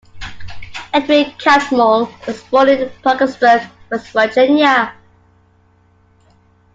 Edwin Catmull was born in Parkersburg, West Virginia.